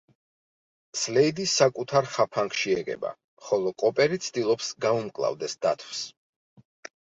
სლეიდი საკუთარ ხაფანგში ეგება, ხოლო კოპერი ცდილობს, გაუმკლავდეს დათვს.